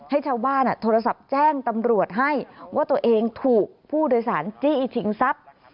ให้ชาวบ้านโทรศัพท์แจ้งตำรวจให้ว่าตัวเองถูกผู้โดยสารจี้ชิงทรัพย์